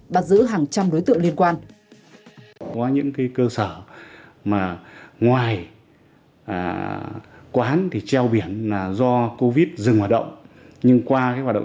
bắt giữ hàng trăm đối tượng liên quan